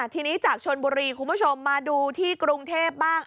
ทีนี้จากชนบุรีคุณผู้ชมมาดูที่กรุงเทพบ้าง